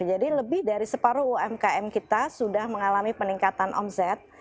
jadi lebih dari separuh umkm kita sudah mengalami peningkatan omset